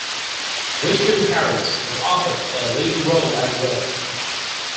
Richard Harris was offered a leading role as well.